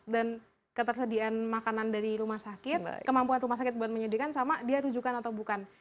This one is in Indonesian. dan ketersediaan makanan dari rumah sakit kemampuan rumah sakit buat menyediakan sama dia rujukan atau bukan